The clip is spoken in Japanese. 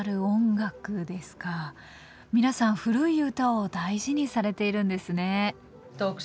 皆さん古い歌を大事にされているんですね。